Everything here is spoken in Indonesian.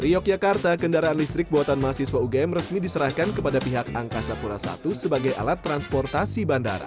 di yogyakarta kendaraan listrik buatan mahasiswa ugm resmi diserahkan kepada pihak angkasa pura i sebagai alat transportasi bandara